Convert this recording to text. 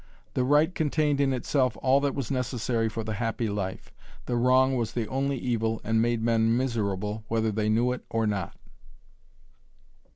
The right contained in itself all that was necessary for the happy life, the wrong was the only evil, and made men miserable whether they knew it or not.